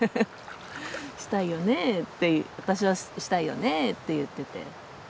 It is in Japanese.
「したいよねえ」って私は「したいよねえ」って言ってて。